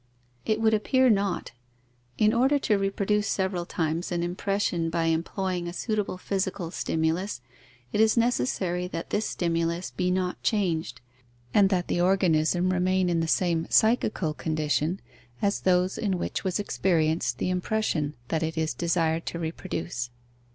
It would appear not. In order to reproduce several times an impression by employing a suitable physical stimulus, it is necessary that this stimulus be not changed, and that the organism remain in the same psychical conditions as those in which was experienced the impression that it is desired to reproduce.